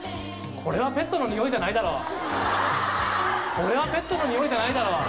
これはペットの臭いじゃないだろ！